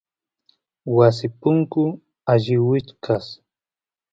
wasi punku alli wichkasq